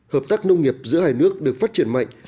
hợp tác nông nghiệp giữa hai nước được phát triển mạnh